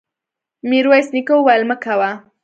ميرويس نيکه وويل: مه کوه!